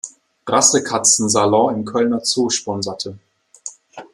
Rassekatzen-Salon" im Kölner Zoo sponserte.